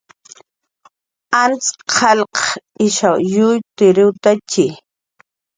Ajtz' qalq ishaw kuyriwktantxi